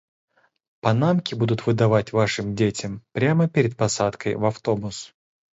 Панамки будут выданы вашим детям прямо перед посадкой в автобус.